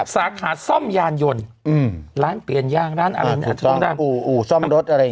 สาขาซ่อมยานยนต์ร้านเปลี่ยนย่างร้านอะไรอันนี้อาจจะต้องได้